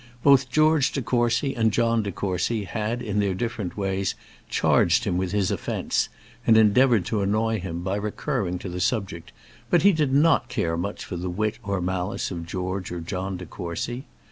Both George De Courcy and John De Courcy had in their different ways charged him with his offence, and endeavoured to annoy him by recurring to the subject; but he did not care much for the wit or malice of George or John De Courcy.